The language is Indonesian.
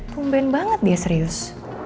pumben banget dia serius